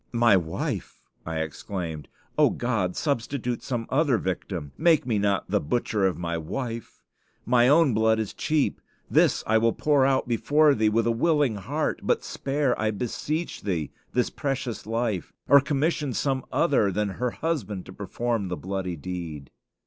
"My wife!" I exclaimed: "O God! substitute some other victim. Make me not the butcher of my wife. My own blood is cheap. This will I pour out before Thee with a willing heart; but spare, I beseech Thee, this precious life, or commission some other than her husband to perform the bloody deed."